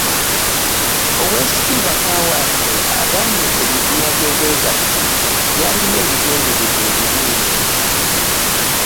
Oweekitiibwa Kaawaase agambye nti ebibiina by'obwegassi byalina ebigendererwa ebirungi